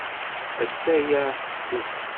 Atta-ya tefsut.